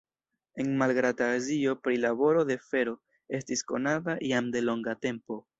En Malgrand-Azio prilaboro de fero estis konata jam de longa tempo.